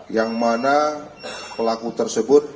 yang mana pelaku tersebut